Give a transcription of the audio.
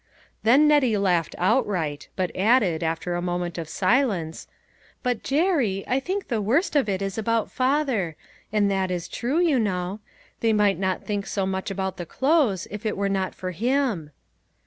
Then Nettie laughed outright, but added, after a moment of silence, " But, Jerry, I think the worst of it is about father ; and that is true, you know. They might not think so much about the clothes, if it were not for him."